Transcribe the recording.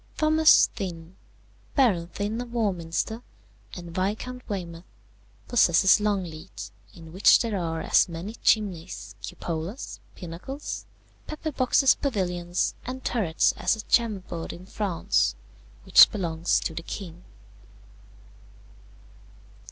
"Thomas Thynne, Baron Thynne of Warminster, and Viscount Weymouth, possesses Longleat, in which there are as many chimneys, cupolas, pinnacles, pepper boxes pavilions, and turrets as at Chambord, in France, which belongs to the king.